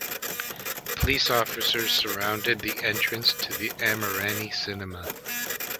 Police officers surrounded the entrance to the Amirani Cinema.